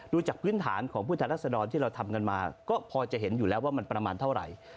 จากพื้นฐานของผู้แทนรัศดรที่เราทำกันมาก็พอจะเห็นอยู่แล้วว่ามันประมาณเท่าไหร่